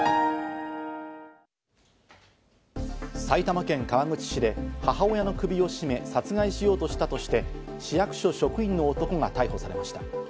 埼玉県川口市で母親の首を絞め殺害しようとしたとして、市役所職員の男が逮捕されました。